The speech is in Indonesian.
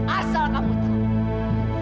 asal kamu tahu